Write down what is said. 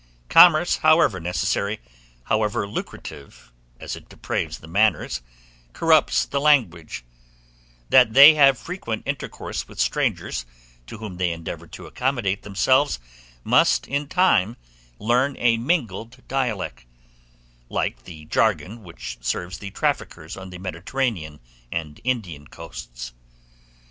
Commerce, however necessary, however lucrative, as it depraves the manners, corrupts the language; they that have frequent intercourse with strangers, to whom they endeavor to accommodate themselves, must in time learn a mingled dialect, like the jargon which serves the traffickers on the Mediterranean and Indian coasts.